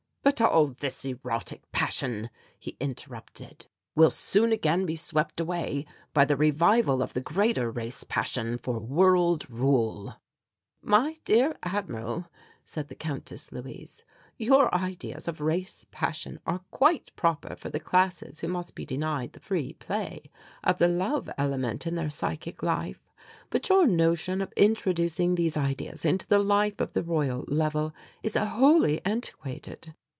"But all this erotic passion," he interrupted, "will soon again be swept away by the revival of the greater race passion for world rule." "My dear Admiral," said the Countess Luise, "your ideas of race passion are quite proper for the classes who must be denied the free play of the love element in their psychic life, but your notion of introducing these ideas into the life of the Royal Level is wholly antiquated."